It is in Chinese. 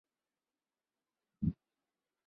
刺猬鳄的正模标本所构成。